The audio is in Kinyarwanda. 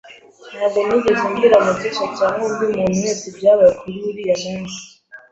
Ntabwo nigeze mbwira Mukesha cyangwa undi muntu wese ibyabaye kuri uriya munsi.